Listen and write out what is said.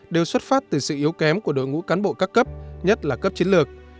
đều xuất phát từ sự yếu kém của đội ngũ cán bộ các cấp nhất là cấp chiến lược